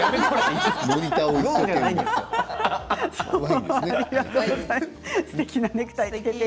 モニターを一生懸命。